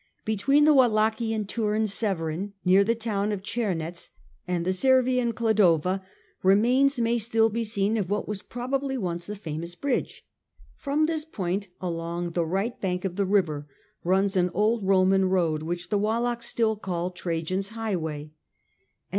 Between the Wallachian Turn Severin near the town of Czernetz and the Servian Cladova, remains may still be seen of what was probably once the famous bridge. From this point along the right bank of the river runs an old Roman road which the Wallachs still call Trajan's highway, and A, H. D 34 The Age of the Antonines. A.